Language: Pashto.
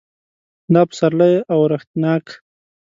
دا پسرلی اورښتناک